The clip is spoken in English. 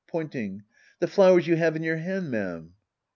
[Pointing.] The flowers you have in your hand, ma'am.